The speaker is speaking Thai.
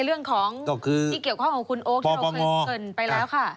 เรื่องของที่เกี่ยวข้องกับคุณโอ๊คที่เราเคยเกิดไปแล้วค่ะ